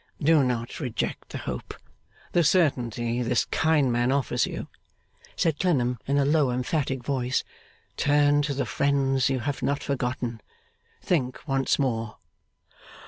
'Do not reject the hope, the certainty, this kind man offers you,' said Clennam in a low emphatic voice. 'Turn to the friends you have not forgotten. Think once more!